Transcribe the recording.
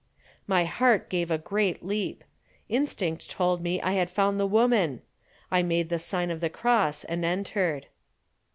My heart gave a great leap. Instinct told me I had found the woman. I made the sign of the cross and entered.